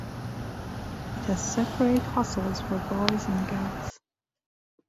It has separate hostels for boys and girls.